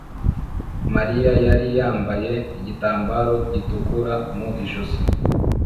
Mariya yari yambaye igitambaro gitukura mu ijosi